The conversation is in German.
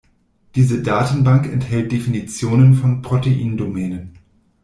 Diese Datenbank enthält Definitionen von Proteindomänen.